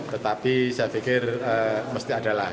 tetapi saya pikir mesti ada lah